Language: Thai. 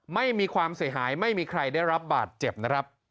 ไม่มีความเสียหายไม่มีใครได้รับบาดเจ็บนะครับ